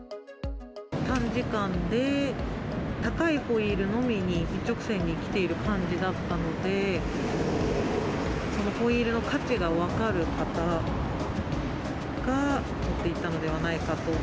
短時間で、高いホイールのみに一直線に来ている感じだったので、このホイールの価値が分かる方が、持って行ったのではないかと。